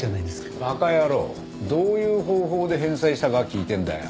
どういう方法で返済したか聞いてるんだよ。